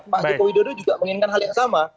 pak joko widodo juga menginginkan hal yang sama